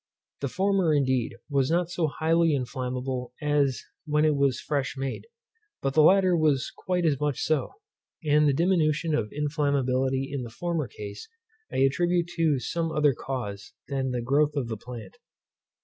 The former, indeed, was not so highly inflammable as when it was fresh made, but the latter was quite as much so; and the diminution of inflammability in the former case, I attribute to some other cause than the growth of the plant.